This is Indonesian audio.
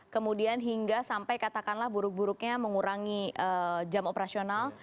kemudian hingga sampai katakanlah buruk buruknya mengurangi jam operasional